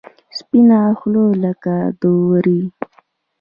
سپینه خوله لکه د ورې.